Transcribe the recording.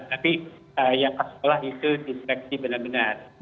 tapi yang ke sekolah itu dispeksi benar benar